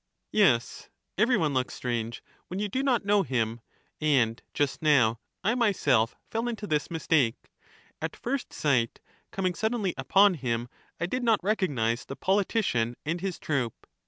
Yes ; every one looks strange when you do not know him ; and just now I myself fell into this mistake — at first sight, coming suddenly upon him, I did not recognize the politician and his troop.